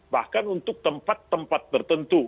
bahkan untuk tempat tempat tertentu